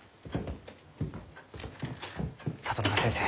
里中先生。